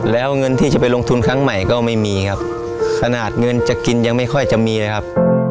แล้วเงินที่จะไปลงทุนครั้งใหม่ก็ไม่มีครับขนาดเงินจะกินยังไม่ค่อยจะมีเลยครับ